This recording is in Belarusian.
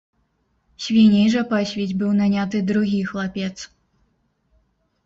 Свіней жа пасвіць быў наняты другі хлапец.